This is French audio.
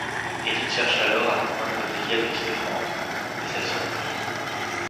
Edith cherche alors à convaincre Delia de quitter Frank, mais celle-ci refuse.